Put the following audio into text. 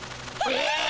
え！